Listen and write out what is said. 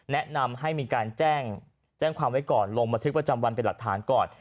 แนะนำให้มีการแจ้งความไว้ก่อนลงบันทึกประจำวันเป็นหลักฐานก่อน